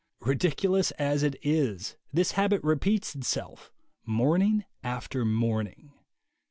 Ridiculous as it is, the habit repeats itself morn ing after morning.